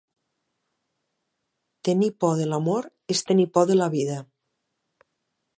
Tenir por de l’amor és tenir por de la vida.